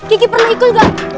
kiki pernah ikut gak